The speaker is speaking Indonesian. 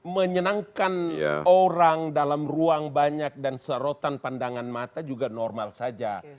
menyenangkan orang dalam ruang banyak dan serotan pandangan mata juga normal saja